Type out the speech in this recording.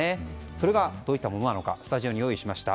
それが、どういったものなのかスタジオに用意しました。